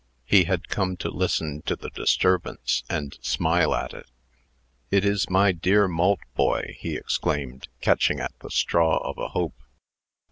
He had come to listen to the disturbance, and smile at it. "It is my dear Maltboy!" he exclaimed, catching at the straw of a hope.